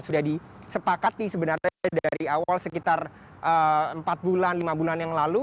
sudah disepakati sebenarnya dari awal sekitar empat bulan lima bulan yang lalu